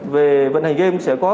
về vận hành game sẽ có